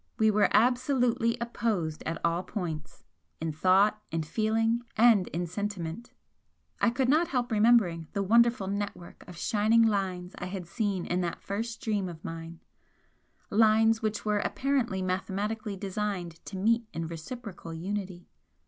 We were absolutely opposed at all points; in thought, in feeling and in sentiment, I could not help remembering the wonderful network of shining lines I had seen in that first dream of mine, lines which were apparently mathematically designed to meet in reciprocal unity.